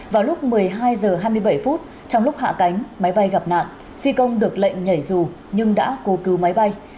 vào lúc một mươi hai h hai mươi bảy phút trong lúc hạ cánh máy bay gặp nạn phi công được lệnh nhảy dù nhưng đã cố cứu máy bay